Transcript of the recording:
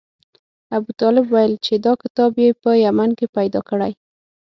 ابوطالب ویل چې دا کتاب یې په یمن کې پیدا کړی.